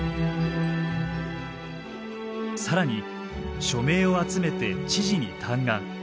更に署名を集めて知事に嘆願。